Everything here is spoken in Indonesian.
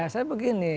ya saya begini